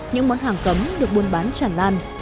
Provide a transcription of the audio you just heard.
những món hàng cấm được buôn bán tràn lan